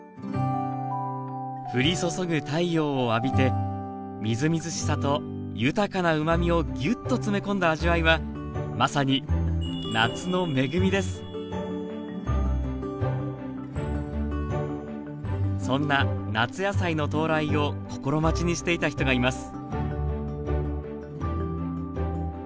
降り注ぐ太陽を浴びてみずみずしさと豊かなうまみをギュッと詰め込んだ味わいはまさにそんな夏野菜の到来を心待ちにしていた人がいます